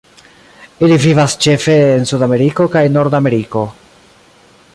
Ili vivas ĉefe en Sudameriko kaj Nordameriko.